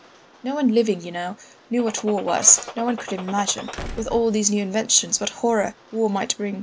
"No one living, you know, knew what war was; no one could imagine, with all these new inventions, what horror war might bring.